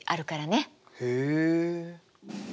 へえ。